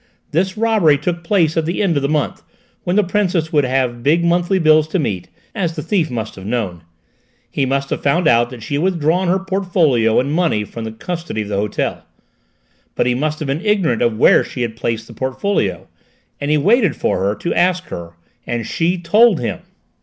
"This robbery took place at the end of the month, when the Princess would have big monthly bills to meet, as the thief must have known. He must have found out that she had withdrawn her portfolio and money from the custody of the hotel. But he must have been ignorant of where she had placed the portfolio; and he waited for her to ask her and she told him!"